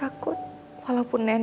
aku pergi kalau shallang